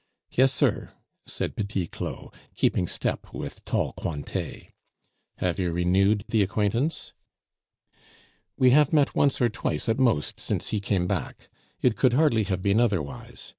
"Yes, sir," said Petit Claud, keeping step with tall Cointet. "Have you renewed the acquaintance?" "We have met once or twice at most since he came back. It could hardly have been otherwise.